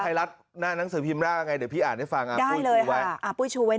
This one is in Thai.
ภายลักษณ์หน้านังสือพิมร่าไงเดี๋ยวพี่อ่านให้ฟังอ่านปุ้ยชูไว้